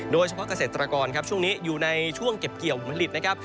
โดยเฉพาะเกษตรกรครับช่วงนี้อยู่ในช่วงเก็บเกี่ยวผลผลิตนะครับ